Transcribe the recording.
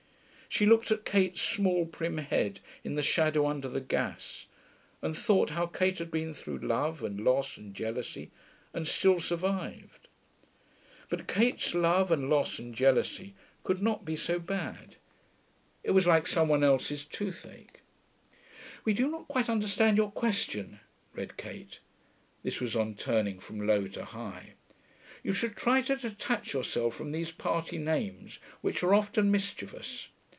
She looked at Kate's small, prim head in the shadow under the gas, and thought how Kate had been through love and loss and jealousy and still survived. But Kate's love and loss and jealousy could not be so bad; it was like some one else's toothache. 'We do not quite understand your question,' read Kate. (This was on turning from Low to High.) 'You should try to detach yourself from these party names, which are often mischievous....